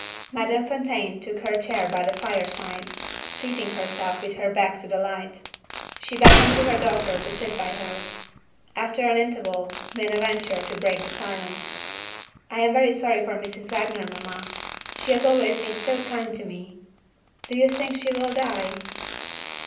Madame Fontaine took her chair by the fire side seating herself with her back to the light. She beckoned to her daughter to sit by her. After an interval, Minna ventured to break the silence. "I am very sorry for Mrs. Wagner, mamma; she has always been so kind to me. Do you think she will die?"